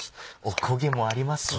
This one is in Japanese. おこげもありますね！